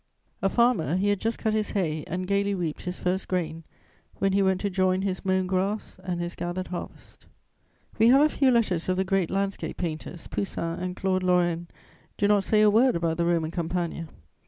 A farmer, he had just cut his hay and gaily reaped his first grain, when he went to join his mown grass and his gathered harvest. We have a few letters of the great landscape painters; Poussin and Claude Lorraine do not say a word about the Roman Campagna.